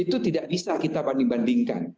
itu tidak bisa kita banding bandingkan